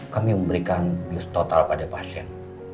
kami memberikan bios total pada pasien